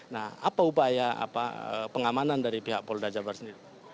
nah apa upaya apa pengamanan dari pihak polda jawa barat sendiri